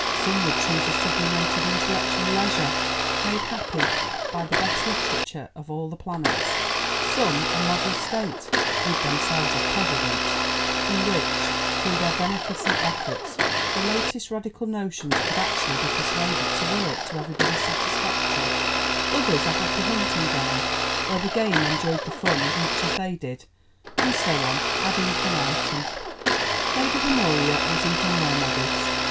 Some would choose a sublimated intellectual leisure, made happy by the best literature of all the planets; some a model state (with themselves as presidents), in which (through their beneficent efforts) the latest radical notions could actually be persuaded to work to everybody's satisfaction; others a happy hunting ground, where the game enjoyed the fun as much as they did; and so on, ad infinitum. Lady Honoria was even more modest.